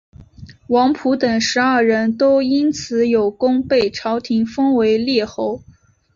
王甫等十二人都因此有功被朝廷封为列侯。